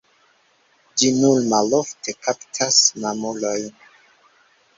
Ĝi nur malofte kaptas mamulojn.